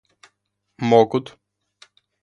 могут